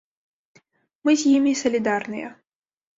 Мы з імі салідарныя.